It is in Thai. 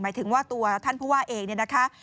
หมายถึงว่าตัวท่านผู้ว่าเองเนี่ยนะคะ